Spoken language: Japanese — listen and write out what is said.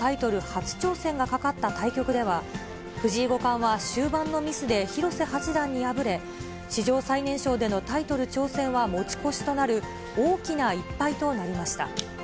初挑戦がかかった対局では、藤井五冠は終盤のミスで広瀬八段に敗れ、史上最年少でのタイトル挑戦は持ち越しとなる、大きな１敗となりました。